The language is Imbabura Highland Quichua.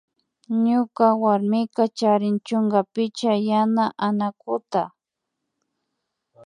Ñuka warmika charin chunka picha yana anakukunata